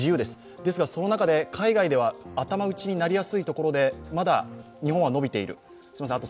ですがその中で海外では頭打ちになりやすいところでまだ日本は伸びている。